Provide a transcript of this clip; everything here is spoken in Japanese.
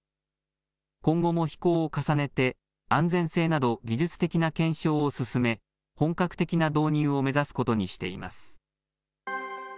今後も飛行を重ねて、安全性など技術的な検証を進め、本格的な導入を目指すことにしています。